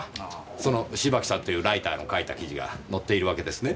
その芝木さんというライターの書いた記事が載っているわけですね？